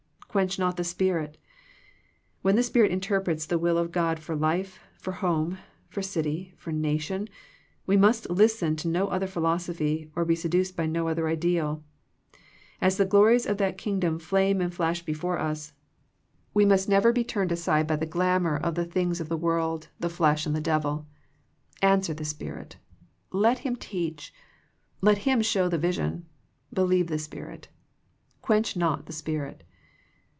" Quench not the Spirit." When the Spirit interprets the will of God for life, for home, for city, for nation, we must listen to no other philosophy, be seduced by no other ideal. As the glories of that Kingdom flame and flash before us, we must never be turned 60 THE PEACTICE OF PEAYEE aside by the glamour of the things of the world, the flesh and the devil. Answer the Spirit. Let Him teach. Let Him show the vision. Believe the Spirit. " Quench not the Spirit."